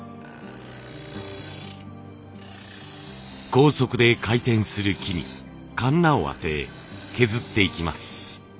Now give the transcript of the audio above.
高速で回転する木にカンナを当て削っていきます。